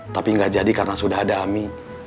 tapi nggak jadi karena sudah ada ami